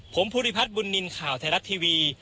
ผมภูริพัฒน์บุญนินทร์ข่าวไทยรัฐทีวี